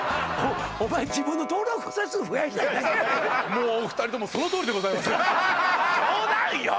もうお二人ともそのとおりでございます冗談よ！